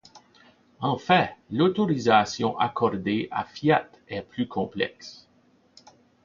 En fait, l'autorisation accordée à Fiat est plus complexe.